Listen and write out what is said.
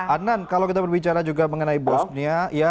anan kalau kita berbicara juga mengenai bosnia